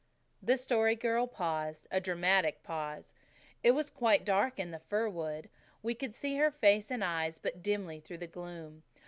The Story Girl paused a dramatic pause. It was quite dark in the fir wood. We could see her face and eyes but dimly through the gloom.